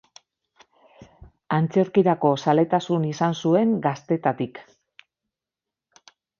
Antzerkirako zaletasuna izan zuen gaztetatik.